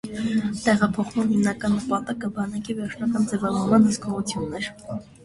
Տեղափոխման հիմնական նպատակը բանակի վերջնական ձևավորման հսկողությունն էր։